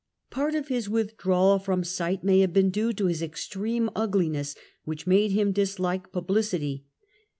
Part of his withdrawal from sight may have been due to his extreme ugliness, which made him dislike publicity.